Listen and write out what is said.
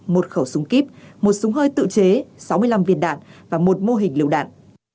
một khẩu súng kíp một súng hơi tự chế sáu mươi năm viên đạn và một mô hình liều đạn